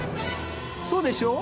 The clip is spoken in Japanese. そうでしょう？